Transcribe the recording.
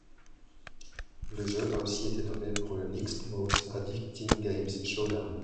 Le jeu a aussi été nommé pour le Nick's Most Addicting Games Showdown.